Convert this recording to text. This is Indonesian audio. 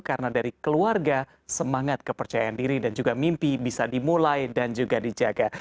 karena dari keluarga semangat kepercayaan diri dan juga mimpi bisa dimulai dan juga dijaga